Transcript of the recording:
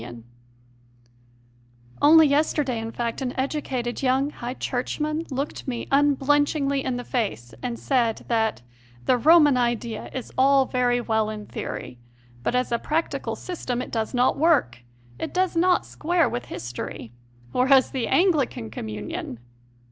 CONFESSIONS OF A CONVERT 143 Only yesterday, in fact, an educated young High Churchman looked me unblenchingly in the face and said that the " Roman idea is all very well in theory; but as a practical system it does not work it does not square with history; whereas the Anglican communion